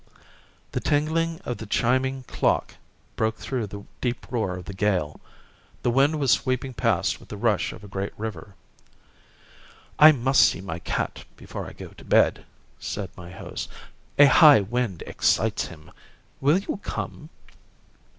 The tingling of the chiming clock broke through the deep roar of the gale. The wind was sweeping past with the rush of a great river. "I must see my cat before I go to bed," said my host. "A high wind excites him. Will you come?"